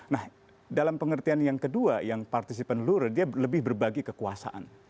nah dalam pengertian yang kedua yang participan lura dia lebih berbagi kekuasaan